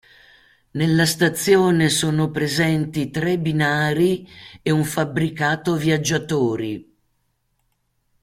Nella stazione sono presenti tre binari e un fabbricato viaggiatori.